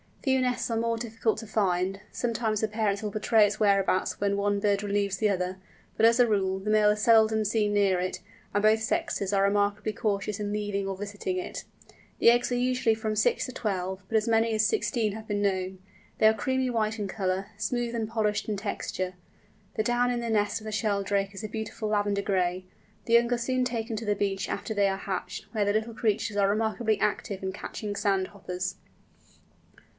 Few nests are more difficult to find; sometimes the parents will betray its whereabouts when one bird relieves the other; but, as a rule, the male is seldom seen near it, and both sexes are remarkably cautious in leaving or visiting it. The eggs are usually from six to twelve, but as many as sixteen have been known. They are creamy white in colour, smooth and polished in texture. The down in the nest of the Sheldrake is a beautiful lavender gray. The young are soon taken to the beach after they are hatched, where the little creatures are remarkably active in catching sand hoppers.